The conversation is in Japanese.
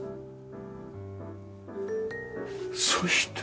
そして？